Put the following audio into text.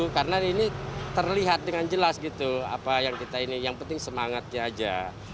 karena ini terlihat dengan jelas gitu apa yang kita ini yang penting semangatnya aja